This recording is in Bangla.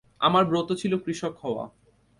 আমার ব্রত ছিল কৃষক হওয়া।